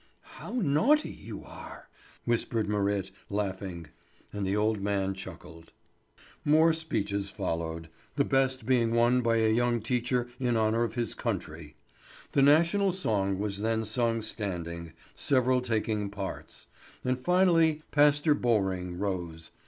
"How naughty you are!" whispered Marit, laughing; and the old man chuckled. More speeches followed, the best being one by a young teacher in honour of his country. The national song was then sung standing, several taking parts; and finally Pastor Borring rose.